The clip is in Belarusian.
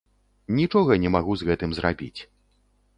Нічога не магу з гэтым зрабіць.